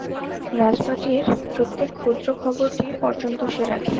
রাজবাটির প্রত্যেক ক্ষুদ্র খবরটি পর্যন্ত সে রাখে।